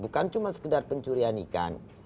bukan cuma sekedar pencurian ikan